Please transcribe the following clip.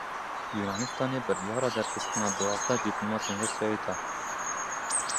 Yûnanistanê biryara derxistina duwazdeh dîplomatên Rûsyayê da.